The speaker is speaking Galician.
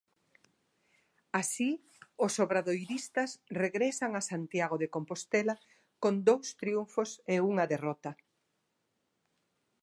Así, os obradoiristas regresan a Santiago de Compostela con dous triunfos e unha derrota.